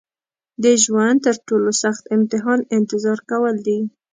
د ژوند تر ټولو سخت امتحان انتظار کول دي.